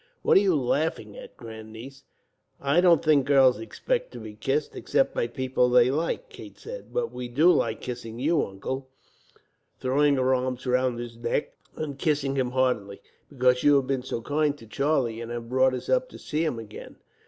"What are you laughing at, grandniece?" "I don't think girls expect to be kissed, except by people they like," Kate said; "but we do like kissing you, Uncle," throwing her arms round his neck, and kissing him heartily; "because you have been so kind to Charlie, and have brought us up to see him again."